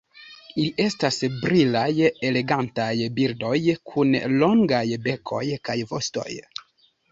Ili estas brilaj elegantaj birdoj kun longaj bekoj kaj vostoj.